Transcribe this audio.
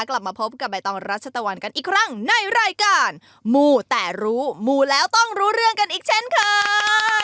กลับมาพบกับใบตองรัชตะวันกันอีกครั้งในรายการมูแต่รู้มูแล้วต้องรู้เรื่องกันอีกเช่นค่ะ